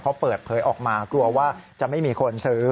เขาเปิดเผยออกมากลัวว่าจะไม่มีคนซื้อ